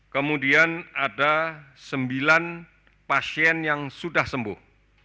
kemudian ada sembilan pasien yang sudah sembuh